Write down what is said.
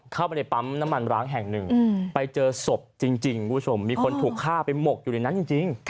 เข้าไปในปั๊มน้ำมันร้างแห่งหนึ่งไปเจอศพจริงคุณผู้ชมมีคนถูกฆ่าไปหมกอยู่ในนั้นจริง